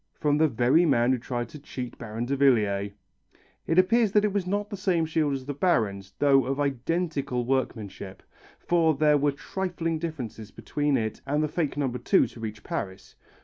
From the very man who tried to cheat Baron Davillier. It appears it was not the same shield as the Baron's, though of identical workmanship, for there were trifling differences between it and the fake No. 2 to reach Paris.